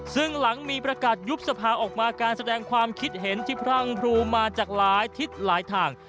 ซึ่งหลังมีประกาศยุบสภาออกมาการแสดงความคิดเห็นที่พรั่งพรูมาจากหลายทิศหลายทาง